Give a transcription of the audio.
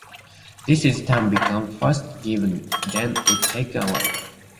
This in turn became, First it giveth, then it taketh away.